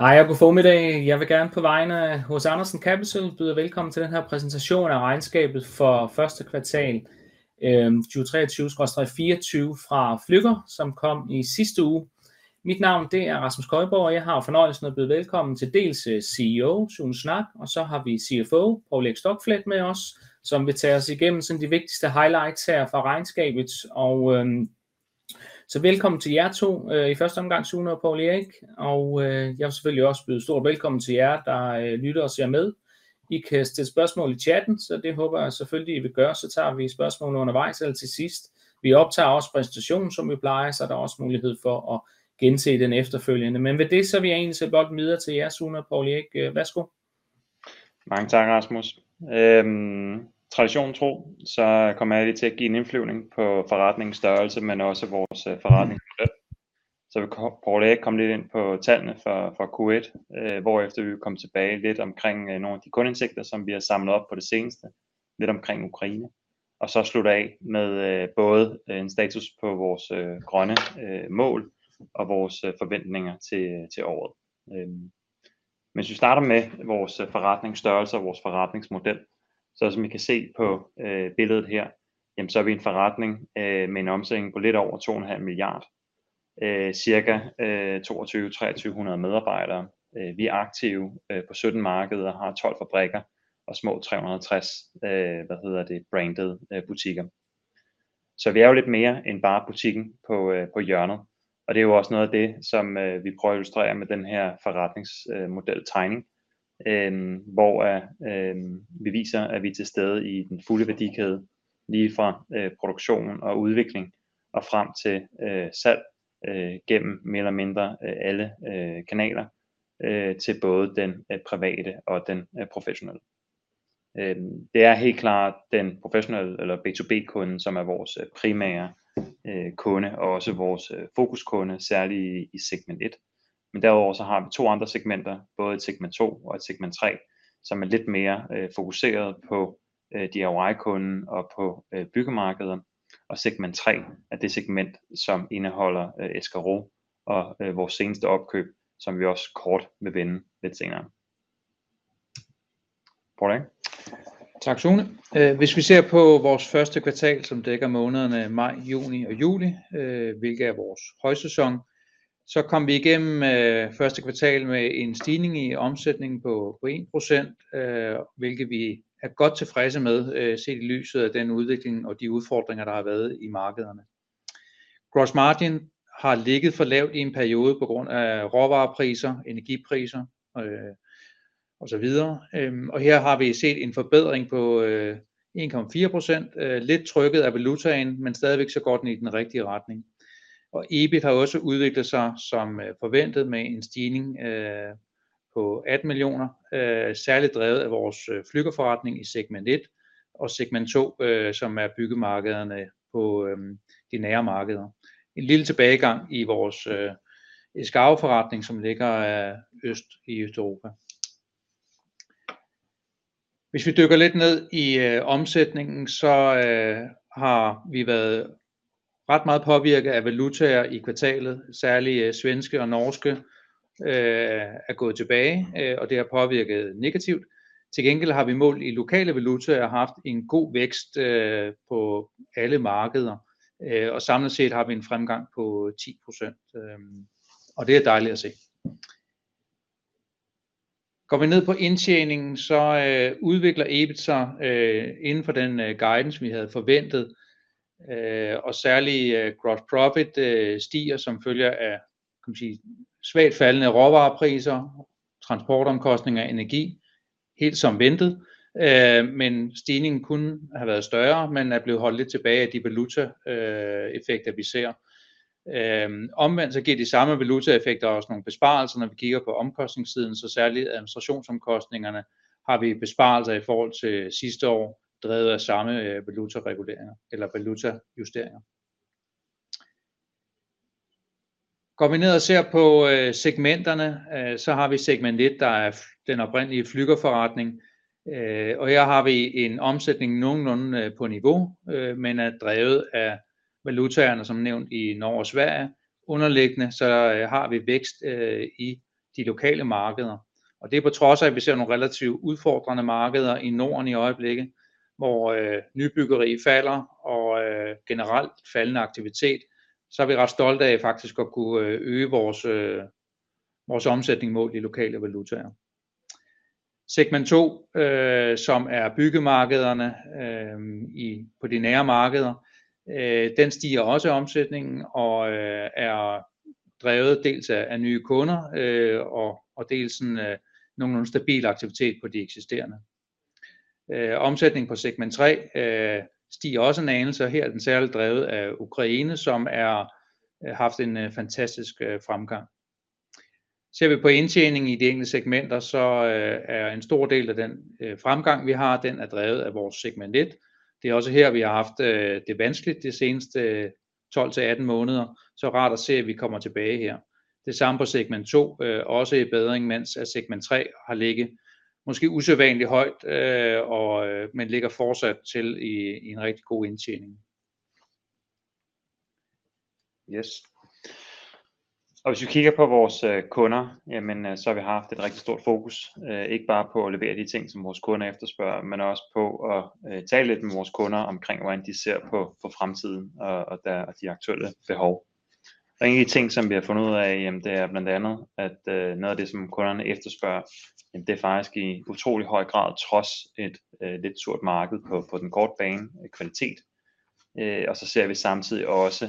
Hej og godformiddag. Jeg vil gerne på vegne af H. Andersen Capital byde jer velkommen til den her præsentation af regnskabet for første kvartal 2023/2024 fra Flügger, som kom i sidste uge. Mit navn er Rasmus Køiborg, og jeg har fornøjelsen af at byde velkommen til dels CEO Sune Schnack, og så har vi CFO Poul Erik Stokflet med os, som vil tage os igennem de vigtigste highlights her fra regnskabet. Velkommen til jer to i første omgang, Sune og Poul Erik. Jeg vil selvfølgelig også byde stort velkommen til jer, der lytter og ser med. I kan stille spørgsmål i chatten, så det håber jeg selvfølgelig, I vil gøre. Vi tager spørgsmålene undervejs eller til sidst. Vi optager også præsentationen, som vi plejer, så der er også mulighed for at gense den efterfølgende. Men med det, så vil jeg egentlig sætte bolden videre til jer, Sune og Poul Erik. Værsgo. Mange tak, Rasmus. Traditionen tro, så kommer jeg lige til at give en indflyvning på forretningens størrelse, men også vores forretningsmodel. Så vil Poul Erik komme lidt ind på tallene fra Q1, hvorefter vi vil komme tilbage lidt omkring nogle af de kundeindsigter, som vi har samlet op på det seneste. Lidt omkring Ukraine og så slutte af med både en status på vores grønne mål og vores forventninger til året. Men hvis vi starter med vores forretningsstørrelse og vores forretningsmodel, så som I kan se på billedet her, jamen så er vi en forretning med en omsætning på lidt over 2.5 milliarder, cirka 2200, 2300 medarbejdere. Vi er aktive på 17 markeder og har 12 fabrikker og små 360 brandede butikker. Vi er jo lidt mere end bare butikken på hjørnet, og det er jo også noget af det, som vi prøver at illustrere med den her forretningsmodel tegning, hvor vi viser, at vi er til stede i den fulde værdikæde lige fra produktion og udvikling og frem til salg gennem mere eller mindre alle kanaler til både den private og den professionelle. Det er helt klart den professionelle eller B2B kunden, som er vores primære kunde og også vores fokus kunde, særligt i segment et. Men derudover har vi to andre segmenter, både i segment to og segment tre, som er lidt mere fokuseret på DIY kunden og på byggemarkeder. Segment tre er det segment, som indeholder Escaro og vores seneste opkøb, som vi også kort vil vende lidt senere. Poul Erik. Tak så meget. Hvis vi ser på vores første kvartal, som dækker månederne maj, juni og juli, hvilket er vores højsæson, så kom vi igennem første kvartal med en stigning i omsætningen på 1%, hvilket vi er godt tilfredse med set i lyset af den udvikling og de udfordringer, der har været i markederne. Gross margin har ligget for lavt i en periode på grund af råvarepriser, energipriser og så videre. Her har vi set en forbedring på 1,4%. Lidt trykket af valutaen, men stadigvæk så godt i den rigtige retning. EBIT har også udviklet sig som forventet med en stigning på 18 millioner. Særligt drevet af vores Flügger forretning i segment et og segment to, som er byggemarkederne på de nære markeder. En lille tilbagegang i vores Escaro forretning, som ligger øst i Østeuropa. Hvis vi dykker lidt ned i omsætningen, så har vi været ret meget påvirket af valutaer i kvartalet. Særligt svenske og norske er gået tilbage, og det har påvirket negativt. Til gengæld har vi målt i lokale valutaer og haft en god vækst på alle markeder, og samlet set har vi en fremgang på 10%, og det er dejligt at se. Går vi ned på indtjeningen, så udvikler EBIT sig inden for den guidance, vi havde forventet, og særligt gross profit stiger som følge af svagt faldende råvarepriser, transportomkostninger og energi. Helt som ventet, men stigningen kunne have været større, men er blevet holdt lidt tilbage af de valutaeffekter, vi ser. Omvendt så giver de samme valutaeffekter også nogle besparelser, når vi kigger på omkostningssiden. Særligt administrationsomkostningerne har vi besparelser i forhold til sidste år. Drevet af samme valuta, reguleringer eller valutajusteringer. Går vi ned og ser på segmenterne, så har vi segment et. Der er den oprindelige Flügger forretning, og her har vi en omsætning nogenlunde på niveau, men er drevet af valutaerne. Som nævnt i Norge og Sverige. Underliggende så har vi vækst i de lokale markeder, og det på trods af, at vi ser nogle relativt udfordrende markeder i Norden i øjeblikket, hvor nybyggeri falder og generelt faldende aktivitet, så er vi ret stolte af faktisk at kunne øge vores omsætning målt i lokale valutaer. Segment to, som er byggemarkederne på de nære markeder. Den stiger også i omsætningen og er drevet dels af nye kunder og dels en nogenlunde stabil aktivitet på de eksisterende. Omsætningen på segment tre stiger også en anelse, og her er den særligt drevet af Ukraine, som har haft en fantastisk fremgang. Ser vi på indtjeningen i de enkelte segmenter, så er en stor del af den fremgang, vi har, den er drevet af vores segment et. Det er også her, vi har haft det vanskeligt de seneste tolv til atten måneder, så rart at se, at vi kommer tilbage her. Det samme på segment to også i bedring, mens segment tre har ligget måske usædvanlig højt, men ligger fortsat i en rigtig god indtjening. Ja. Og hvis vi kigger på vores kunder, jamen så har vi haft et rigtig stort fokus, ikke bare på at levere de ting, som vores kunder efterspørger, men også på at tale lidt med vores kunder omkring, hvordan de ser på fremtiden og de aktuelle behov. Og en af de ting, som vi har fundet ud af, jamen det er blandt andet, at noget af det, som kunderne efterspørger, det er faktisk i utrolig høj grad trods et lidt surt marked på den korte bane kvalitet. Og så ser vi samtidig også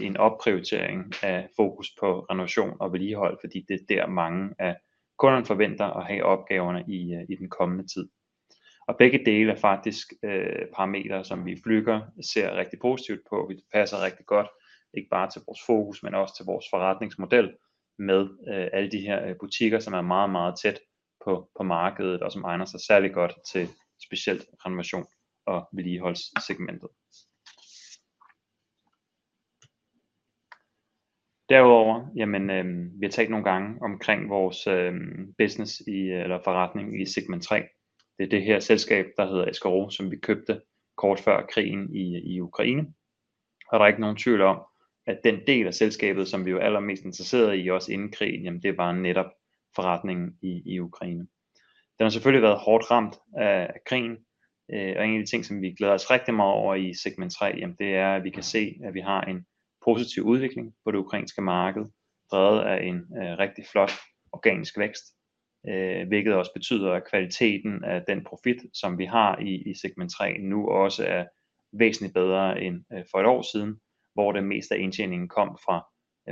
en opprioritering af fokus på renovation og vedligehold, fordi det er der, mange af kunderne forventer at have opgaverne i den kommende tid. Og begge dele er faktisk parametre, som vi i Flügger ser rigtig positivt på. Det passer rigtig godt, ikke bare til vores fokus, men også til vores forretningsmodel med alle de her butikker, som er meget, meget tæt på markedet, og som egner sig særlig godt til specielt renovation og vedligeholdelse segmentet. Derudover har vi talt nogle gange omkring vores business i eller forretning i segment tre. Det er det her selskab, der hedder Escrow, som vi købte kort før krigen i Ukraine. Der er ikke nogen tvivl om, at den del af selskabet, som vi jo allermest interesseret i, også inden krigen, det er bare netop forretningen i Ukraine. Den har selvfølgelig været hårdt ramt af krigen, og en af de ting, som vi glæder os rigtig meget over i segment tre, det er, at vi kan se, at vi har en positiv udvikling på det ukrainske marked, drevet af en rigtig flot organisk vækst, hvilket også betyder, at kvaliteten af den profit, som vi har i segment tre, nu også er væsentligt bedre end for et år siden, hvor det meste af indtjeningen kom fra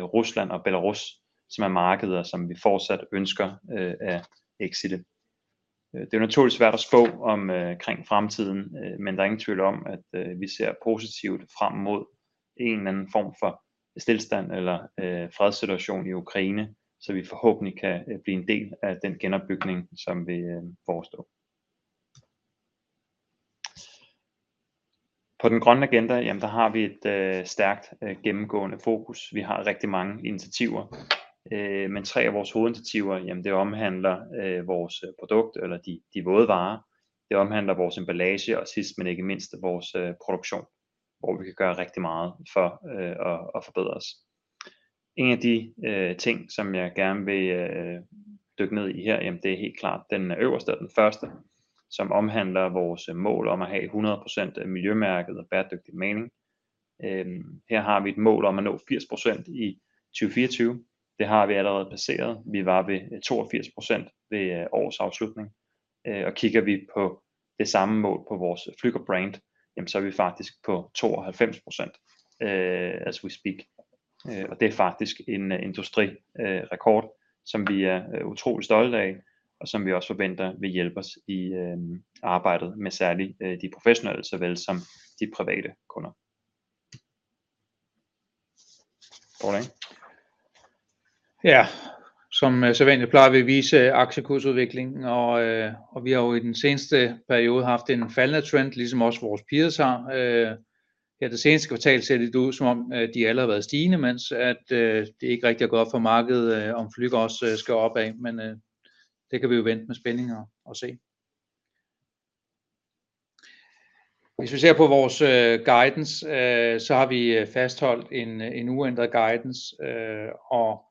Rusland og Belarus, som er markeder, som vi fortsat ønsker at exitte. Det er naturligvis svært at spå om fremtiden, men der er ingen tvivl om, at vi ser positivt frem mod en eller anden form for stilstand eller fredssituation i Ukraine, så vi forhåbentlig kan blive en del af den genopbygning, som vil forestå. På den grønne agenda har vi et stærkt gennemgående fokus. Vi har rigtig mange initiativer, men tre af vores hovedinitiativer, det omhandler vores produkt eller de våde varer. Det omhandler vores emballage og sidst, men ikke mindst vores produktion, hvor vi kan gøre rigtig meget for at forbedre os. En af de ting, som jeg gerne vil dykke ned i her, det er helt klart den øverste og den første, som omhandler vores mål om at have 100% miljømærket og bæredygtig maling. Her har vi et mål om at nå 80% i 2024. Det har vi allerede passeret. Vi var ved 82% ved årets afslutning, og kigger vi på det samme mål på vores Flügger brand, så er vi faktisk på 92% as we speak. Og det er faktisk en industrirekord, som vi er utrolig stolte af, og som vi også forventer vil hjælpe os i arbejdet med særligt de professionelle såvel som de private kunder. Poul Erik. Ja, som sædvanlig plejer vi at vise aktiekursudviklingen, og vi har jo i den seneste periode haft en faldende trend, ligesom også vores peers har. Det seneste kvartal ser det ud, som om de alle har været stigende, mens at det ikke rigtig er godt for markedet, om Flügger også skal opad. Men det kan vi jo vente med spænding og se. Hvis vi ser på vores guidance, så har vi fastholdt en uændret guidance og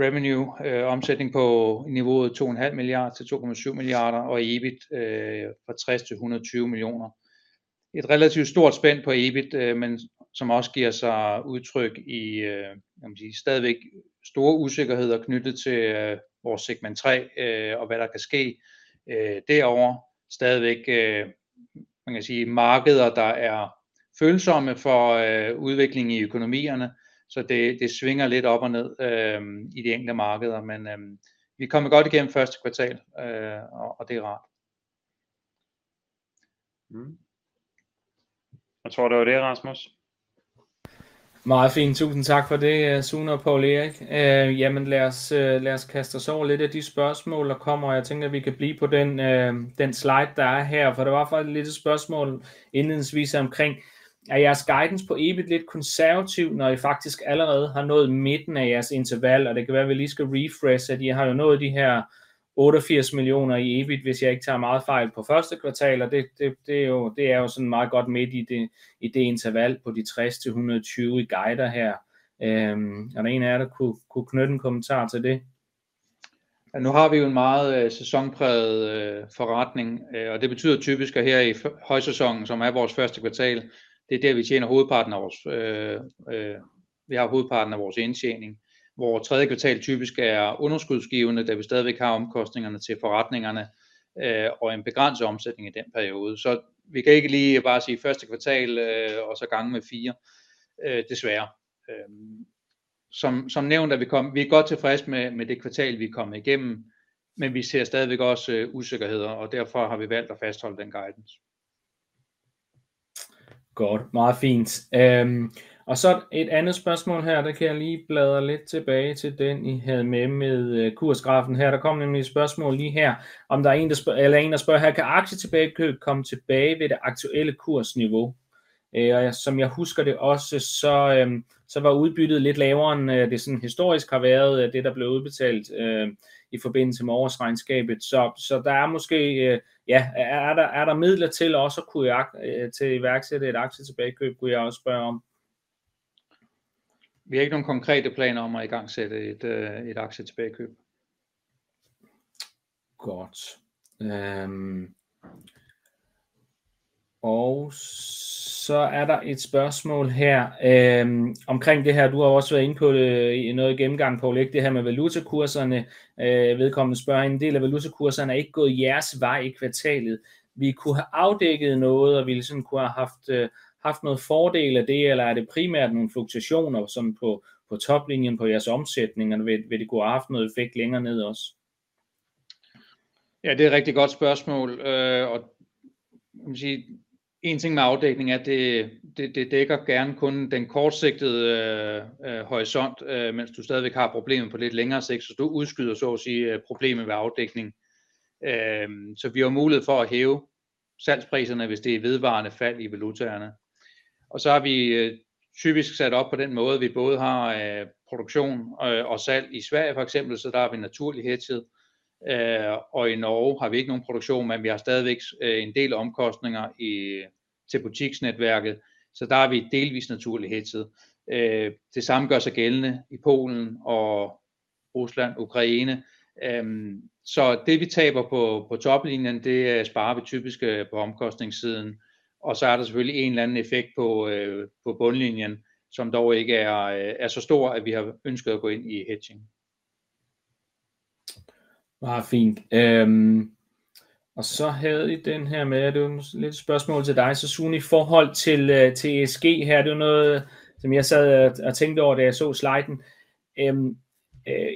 revenue omsætning på niveauet DKK 2,5 milliarder til DKK 2,7 milliarder og EBIT fra DKK 60 millioner til DKK 120 millioner. Et relativt stort spænd på EBIT, men som også giver sig udtryk i stadigvæk store usikkerheder knyttet til vores segment tre, og hvad der kan ske derovre. Stadigvæk, man kan sige, markeder der er følsomme for udviklingen i økonomierne, så det svinger lidt op og ned i de enkelte markeder. Men vi er kommet godt igennem første kvartal, og det er rart. Jeg tror, det var det, Rasmus. Meget fint. Tusind tak for det, Sune og Poul Erik. Jamen lad os kaste os over lidt af de spørgsmål, der kommer. Og jeg tænker, at vi kan blive på den slide, der er her, for det var faktisk lidt et spørgsmål indledningsvis omkring er jeres guidance på EBIT lidt konservativ, når I faktisk allerede har nået midten af jeres interval? Og det kan være, vi lige skal refresh, at I har jo nået de her 88 millioner i EBIT. Hvis jeg ikke tager meget fejl på første kvartal. Og det er jo sådan meget godt midt i det interval på de 60 til 120, I guider her. Er der en af jer, der kunne knytte en kommentar til det? Nu har vi jo en meget sæsonpræget forretning, og det betyder typisk, at her i højsæsonen, som er vores første kvartal, det er der, vi tjener hovedparten af vores. Vi har hovedparten af vores indtjening, hvor tredje kvartal typisk er underskudsgivende, da vi stadigvæk har omkostningerne til forretningerne og en begrænset omsætning i den periode. Så vi kan ikke lige bare sige første kvartal og så gange med fire. Desværre. Som nævnt er vi godt tilfredse med det kvartal, vi er kommet igennem, men vi ser stadigvæk også usikkerheder, og derfor har vi valgt at fastholde den guidance. Godt. Meget fint. Og så et andet spørgsmål her. Der kan jeg lige bladre lidt tilbage til den I havde med kursgrafen her. Der kom nemlig et spørgsmål lige her om der er en der spørger, her kan aktietilbagekøb komme tilbage ved det aktuelle kursniveau. Og som jeg husker det også, så var udbyttet lidt lavere end det historisk har været af det der blev udbetalt i forbindelse med årsregnskabet. Så der er måske, ja, er der midler til også at kunne iværksætte et aktietilbagekøb? Kunne jeg også spørge om. Vi har ikke nogen konkrete planer om at igangsætte et aktietilbagekøb. Godt! Og så er der et spørgsmål her omkring det her. Du har også været inde på det i noget af gennemgangen, Poul Erik. Det her med valutakurserne. Vedkommende spørger en del af valutakurserne er ikke gået jeres vej i kvartalet. Vi kunne have afdækket noget, og vi kunne have haft fordel af det. Eller er det primært nogle fluktuationer som på toplinjen på jeres omsætning? Vil det kunne have haft noget effekt længere nede også? Ja, det er et rigtig godt spørgsmål. En ting med afdækning er, at det dækker gerne kun den kortsigtede horisont, mens du stadigvæk har problemer på lidt længere sigt. Så du udskyder så at sige problemet med afdækning. Så vi har mulighed for at hæve salgspriserne, hvis det er vedvarende fald i valutaerne. Så har vi typisk sat op på den måde, at vi både har produktion og salg i Sverige for eksempel. Så der er vi naturligt hedget. I Norge har vi ikke nogen produktion, men vi har stadigvæk en del omkostninger til butiksnetværket, så der er vi delvist naturligt hedget. Det samme gør sig gældende i Polen og Rusland og Ukraine. Så det vi taber på toplinjen, det sparer vi typisk på omkostningssiden. Og så er der selvfølgelig en eller anden effekt på bundlinjen, som dog ikke er så stor, at vi har ønsket at gå ind i hedging. Meget fint. Og så havde vi den her med. Det er lidt et spørgsmål til dig, Sune, i forhold til TSG. Her er noget, som jeg sad og tænkte over, da jeg så sliden.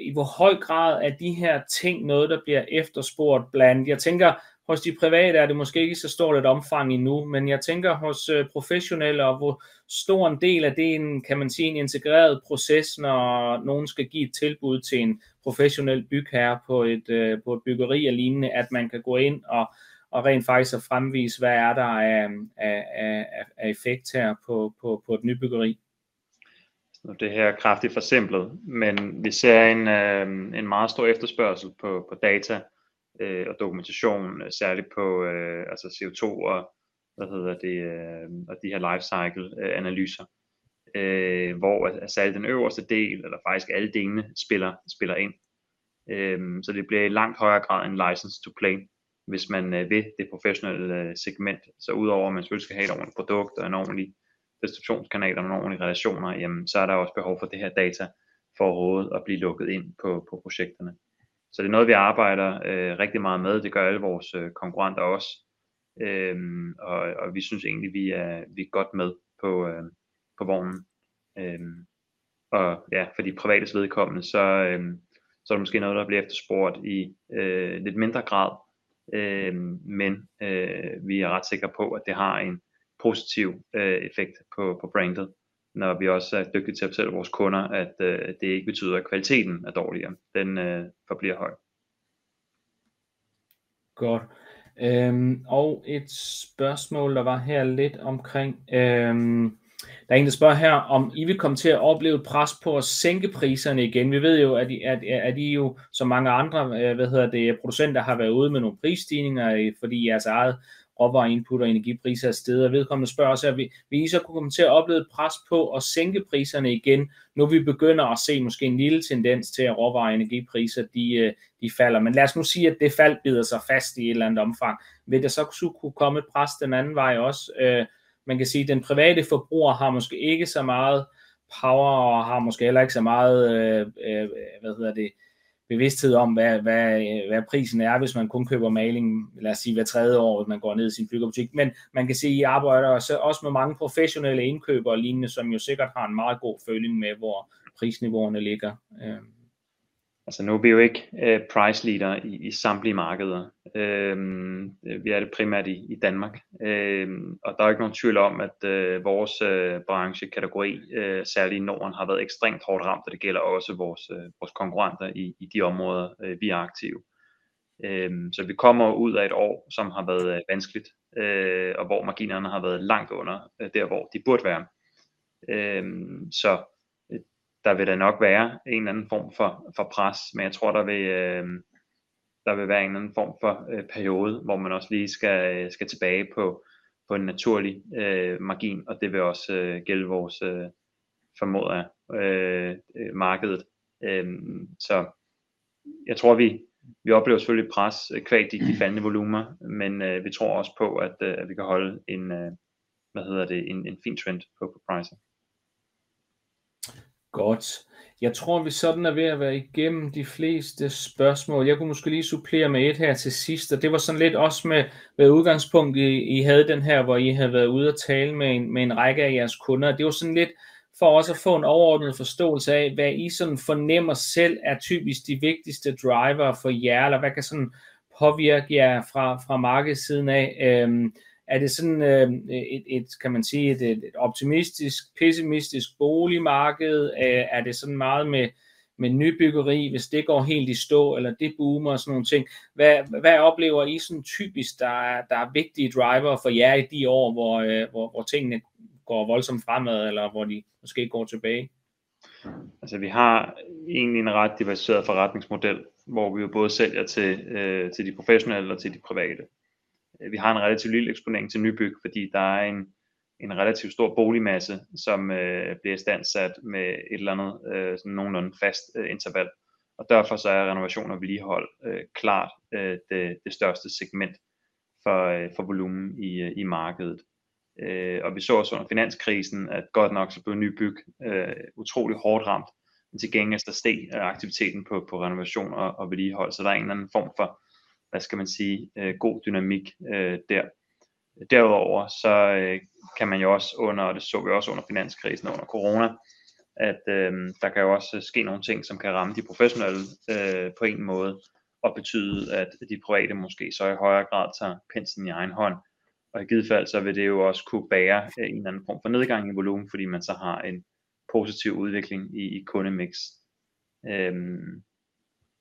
I hvor høj grad er de her ting noget, der bliver efterspurgt blandt? Jeg tænker hos de private er det måske ikke i så stort et omfang endnu, men jeg tænker hos professionelle, og hvor stor en del af det er, kan man sige, en integreret proces. Når nogen skal give et tilbud til en professionel bygherre på et byggeri og lignende. At man kan gå ind og rent faktisk fremvise, hvad er der af effekt her på et nybyggeri? Nu er det her kraftigt forsimplet, men vi ser en meget stor efterspørgsel på data og dokumentation, særligt på CO2. Og de her lifecycle analyser, hvor særligt den øverste del eller faktisk alle delene spiller ind. Det bliver i langt højere grad en license to play, hvis man vil det professionelle segment. Udover at man selvfølgelig skal have et ordentligt produkt og en ordentlig distributionskanaler og nogle ordentlige relationer, jamen så er der også behov for det her data for overhovedet at blive lukket ind på projekterne. Det er noget, vi arbejder rigtig meget med. Det gør alle vores konkurrenter også, og vi synes egentlig, vi er godt med på vognen. For de privates vedkommende, så er det måske noget, der bliver efterspurgt i lidt mindre grad. Men vi er ret sikre på, at det har en positiv effekt på brandet, når vi også er dygtige til at fortælle vores kunder, at det ikke betyder, at kvaliteten er dårligere. Den forbliver høj. Godt. Og et spørgsmål, der var her lidt omkring. Der er en, der spørger, om I vil komme til at opleve et pres på at sænke priserne igen. Vi ved jo, at I er jo som mange andre producenter har været ude med nogle prisstigninger, fordi jeres eget råvare input og energipriser er steget, og vedkommende spørger også vil I så komme til at opleve et pres på at sænke priserne igen, nu hvor vi begynder at se måske en lille tendens til, at råvare energipriser de falder. Men lad os nu sige, at det fald bider sig fast i et eller andet omfang. Vil det så kunne komme et pres den anden vej også? Man kan sige, at den private forbruger har måske ikke så meget power og har måske heller ikke så meget. Hvad hedder det bevidsthed om, hvad prisen er, hvis man kun køber malingen, lad os sige hver tredje år, at man går ned i sin byggemarked. Men man kan sige, at I arbejder også med mange professionelle indkøbere og lignende, som jo sikkert har en meget god føling med, hvor prisniveauerne ligger. Altså, nu er vi jo ikke price leader i samtlige markeder. Vi er det primært i Danmark, og der er ikke nogen tvivl om, at vores branchekategori, særligt i Norden, har været ekstremt hårdt ramt. Og det gælder også vores konkurrenter i de områder, vi er aktive. Så vi kommer ud af et år, som har været vanskeligt, og hvor marginerne har været langt under der, hvor de burde være. Så der vil da nok være en eller anden form for pres. Men jeg tror, der vil være en eller anden form for periode, hvor man også lige skal tilbage på en naturlig margin, og det vil også gælde vores marked, formoder jeg. Så jeg tror, vi oplever selvfølgelig et pres qua de faldende volumener. Men vi tror også på, at vi kan holde en fin trend på priser. Godt. Jeg tror, vi er ved at være igennem de fleste spørgsmål. Jeg kunne måske lige supplere med et her til sidst, og det var lidt også med det udgangspunkt I havde den her, hvor I havde været ude og tale med en række af jeres kunder. Det var lidt for også at få en overordnet forståelse af, hvad I fornemmer selv er typisk de vigtigste drivere for jer. Eller hvad kan påvirke jer fra markedssiden af? Er det et, kan man sige, et optimistisk pessimistisk boligmarked? Er det meget med nybyggeri? Hvis det går helt i stå eller det boomer og sådan nogle ting, hvad oplever I typisk, der er vigtige drivere for jer i de år, hvor tingene går voldsomt fremad, eller hvor de måske går tilbage? Vi har egentlig en ret diversificeret forretningsmodel, hvor vi både sælger til de professionelle og til de private. Vi har en relativt lille eksponering til nybyg, fordi der er en relativt stor boligmasse, som bliver istandsat med et eller andet nogenlunde fast interval, og derfor er renovation og vedligehold klart det største segment for volumen i markedet. Vi så også under finanskrisen, at godt nok så blev nybyg utrolig hårdt ramt, men til gengæld så steg aktiviteten på renovation og vedligehold, så der er en eller anden form for god dynamik der. Derudover så kan man jo også under, og det så vi også under finanskrisen under Corona, at der kan jo også ske nogle ting, som kan ramme de professionelle på en måde og betyde, at de private måske så i højere grad tager penslen i egen hånd. Og i givet fald, så vil det jo også kunne bære en eller anden form for nedgang i volumen, fordi man så har en positiv udvikling i kundemix.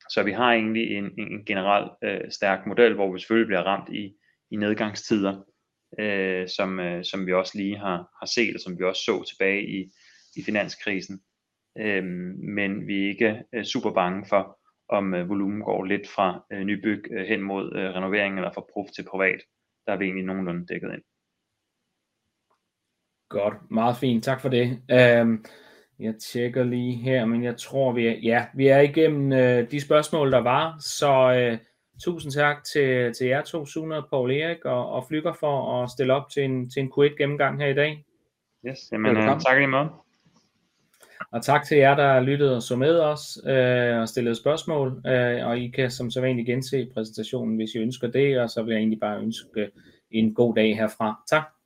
Så vi har egentlig en generel stærk model, hvor vi selvfølgelig bliver ramt i nedgangstider, som vi også lige har set, og som vi også så tilbage i finanskrisen. Men vi er ikke super bange for, om volumen går lidt fra nybyg hen mod renovering eller fra prof til privat. Der er vi egentlig nogenlunde dækket ind. Godt. Meget fint. Tak for det. Jeg tjekker lige her, men jeg tror vi. Ja, vi er igennem de spørgsmål, der var, så tusind tak til jer to. Sune og Poul Erik og Flügger for at stille op til en Q1 gennemgang her i dag. Ja, men tak lige meget. Og tak til jer, der har lyttet og set med os og stillede spørgsmål. I kan som sædvanlig gense præsentationen, hvis I ønsker det. Så vil jeg egentlig bare ønske en god dag herfra. Tak.